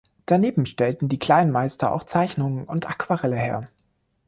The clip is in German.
Daneben stellten die Kleinmeister auch Zeichnungen und Aquarelle her.